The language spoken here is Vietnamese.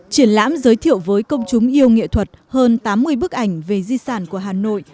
triển lãm giới thiệu với công chúng yêu nghệ thuật hơn tám mươi bức ảnh về di sản của hà nội